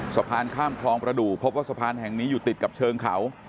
สะพานข้ามคลองประดูกพบว่าสะพานแห่งนี้อยู่ติดกับเชิงเขา